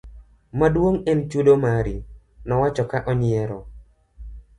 Mduong en chudo mari, nowacho ka onyiero.